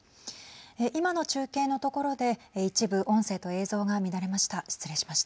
今の中継のところで一部、音声と映像が乱れました。